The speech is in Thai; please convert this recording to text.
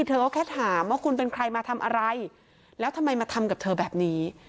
เธอก็แค่ถามว่าคุณเป็นใครมาทำอะไรแล้วทำไมมาทำกับเธอแบบนี้